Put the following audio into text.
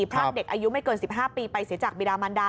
พรากเด็กอายุไม่เกิน๑๕ปีไปเสียจากบิดามันดา